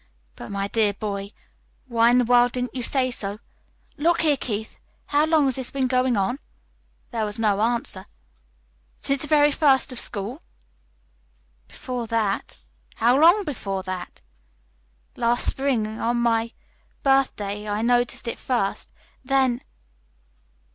"But, my dear boy, why in the world didn't you say so? Look here, Keith, how long has this been going on?" There was no answer. "Since the very first of school?" "Before that." "How long before that?" "Last spring on my birthday. I noticed it first then."